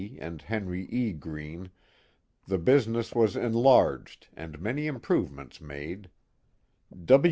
and Henry E. I Greene, the business was enlarged and many improvements made.